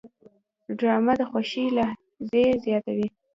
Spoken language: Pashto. ډرامه د خوښۍ لحظې زیاتوي